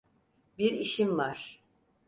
Bir işim var.